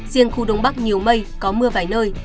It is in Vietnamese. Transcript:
riêng khu đông bắc nhiều mây có mưa vài nơi